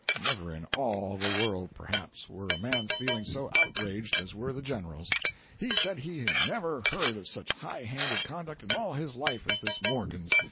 Never in all the world, perhaps, were a man's feelings so outraged as were the General's. He said he had never heard of such high handed conduct in all his life as this Morgan's.